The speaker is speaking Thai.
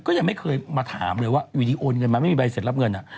ยังไม่เคยมาถามเลยว่าอยู่ดีโอนเงินมาไม่มีใบเสร็จรับเงิน